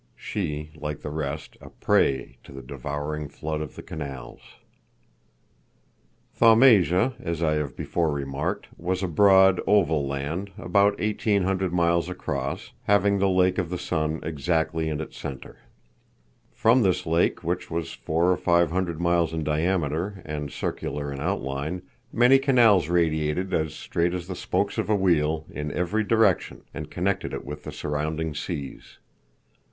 She, Like the Rest, a Prey to the Devouring Flood of the Canals. Thaumasia, as I have before remarked, was a broad, oval land, about 1,800 miles across, having the Lake of the Sun exactly in its centre. From this lake, which was four or five hundred miles in diameter, and circular in outline, many canals radiated, as straight as the spokes of a wheel, in every direction, and connected it with the surrounding seas.